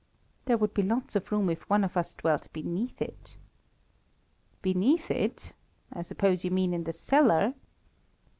"There would be lots of room if one of us dwelt beneath it." "Beneath it? I suppose you mean in the cellar?"